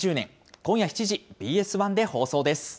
今夜７時、ＢＳ１で放送です。